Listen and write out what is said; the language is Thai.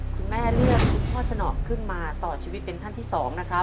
คุณแม่เลือกคุณพ่อสนอขึ้นมาต่อชีวิตเป็นท่านที่๒นะครับ